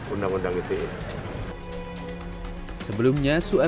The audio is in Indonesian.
sebelumnya soeb terlalu banyak mencari pengetahuan tentang hal ini